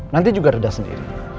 nanti juga reda sendiri